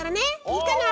いいかな。